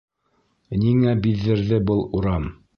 Ниңә биҙҙерҙе был урам?